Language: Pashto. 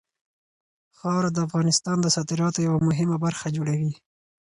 خاوره د افغانستان د صادراتو یوه مهمه برخه جوړوي.